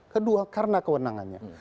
kedua karena kewenangannya